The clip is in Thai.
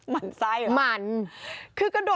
หมั่นไส้เหรอ